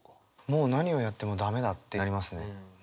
「もう何をやっても駄目だ」ってやりますね。